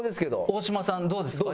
大島さんどうですか？